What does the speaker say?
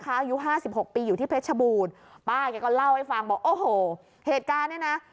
คนายุ๕๖ปีอยู่ที่เพชบูรป้าก็เล่าให้ฟังบอกโอโหเหตุการณ์เนี่ยนะ